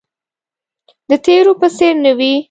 د تیر په څیر نه وي